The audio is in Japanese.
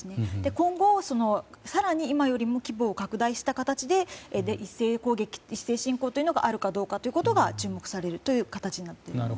今後、更に今より規模を拡大した形で一斉侵攻があるかどうかが注目されるという形になっています。